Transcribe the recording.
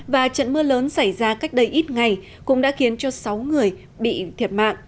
và trận mưa lớn xảy ra cách đây ít ngày cũng đã khiến cho sáu người bị thiệt mạng